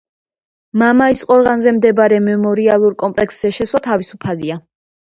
მამაის ყორღანზე მდებარე მემორიალურ კომპლექსზე შესვლა თავისუფალია.